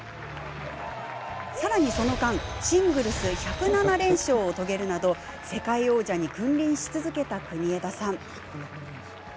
さらに、その間、シングルス１０７連勝を遂げるなど世界王者に君臨し続けた国枝さん。